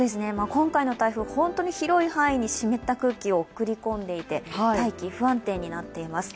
今回の台風、本当に広い範囲に湿った空気を送り込んでいて大気、不安定になっています。